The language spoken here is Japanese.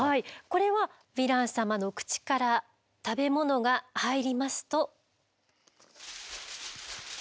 これはヴィラン様の口から食べ物が入りますと。